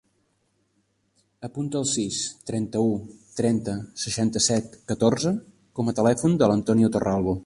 Apunta el sis, trenta-u, trenta, seixanta-set, catorze com a telèfon de l'Antonio Torralbo.